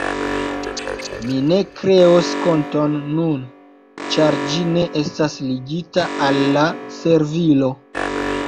Mi ne kreos konton nun, ĉar ĝi ne estas ligita al la servilo.